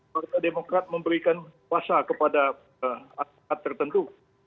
partai demokrat memberikan kuasa kepada masyarakat tertentu